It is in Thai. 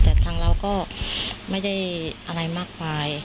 แต่ทางเราก็ไม่ได้อะไรมากมาย